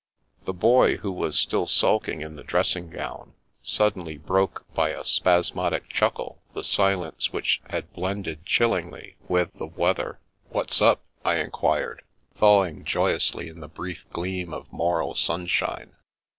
The Boy, who was still sulking in the dressing gown, suddenly broke by a spasmodic chuckle the silence which had blended chillingly with the weather. " What's up ?" I enquired, thawing joyously in the brief gleam of moral sunshine.